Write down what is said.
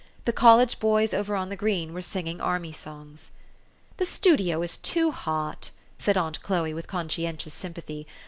The college boys over on the green were singing army songs. "The studio is too hot," said aunt Chloe with conscientious sympathy.